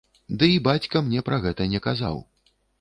Ды і бацька мне пра гэта не казаў.